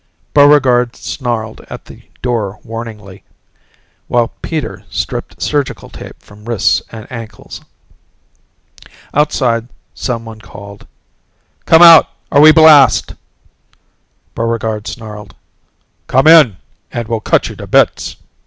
Buregarde snarled at the door warningly while Peter stripped surgical tape from wrists and ankles. Outside, someone called, "Come out or we blast!" Buregarde snarled, "Come in and we'll cut you to bits!"